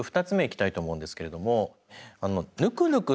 ２つ目いきたいと思うんですけれども。